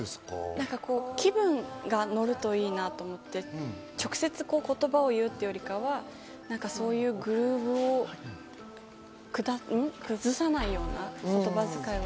なんか気分が乗るといいなと思って、直接言葉を言うというよりかは、そういうグルーヴを崩さないような言葉遣いは。